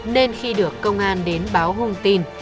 nên khi được công an đến báo hôn tin